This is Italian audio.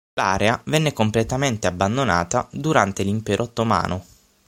L'area venne completamente abbandonata durante l'Impero ottomano.